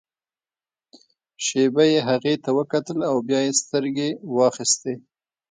شېبه يې هغې ته وکتل او بيا يې سترګې واخيستې.